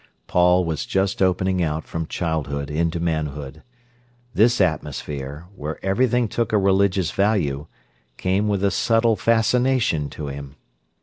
Paul was just opening out from childhood into manhood. This atmosphere, where everything took a religious value, came with a subtle fascination to him.